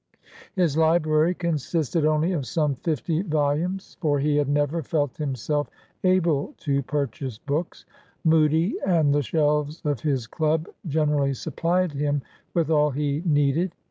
His library consisted only of some fifty volumes, for he had never felt himself able to purchase books; Mudie, and the shelves of his club, generally supplied him with all he needed.